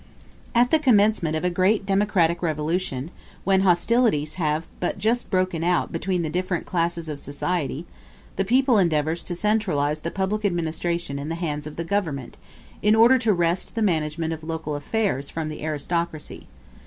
At the commencement of a great democratic revolution, when hostilities have but just broken out between the different classes of society, the people endeavors to centralize the public administration in the hands of the government, in order to wrest the management of local affairs from the aristocracy.